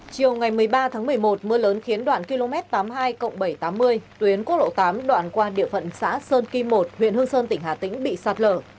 chiều ngày một mươi ba tháng một mươi một mưa lớn khiến đoạn km tám mươi hai bảy trăm tám mươi tuyến quốc lộ tám đoạn qua địa phận xã sơn kim một huyện hương sơn tỉnh hà tĩnh bị sạt lở